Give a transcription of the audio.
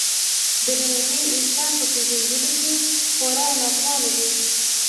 د ننني انسان په پېژندلو کې خورا ناتوانه دی.